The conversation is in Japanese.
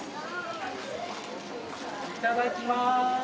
「いただきまーす」。